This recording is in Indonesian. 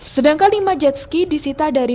sedangkan lima jet ski disita dari